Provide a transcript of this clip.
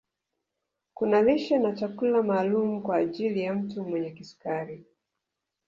Kuna lishe au chakula maalumu kwa ajili ya mtu mwenye kisukari